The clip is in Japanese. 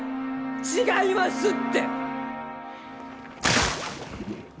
違いますって！